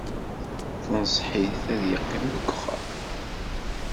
Tenṣeḥ-it ad yeqqim deg wexxam.